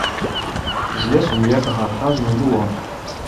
З лесу ніякага адказу не было.